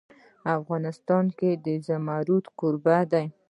افغانستان د زمرد کوربه دی.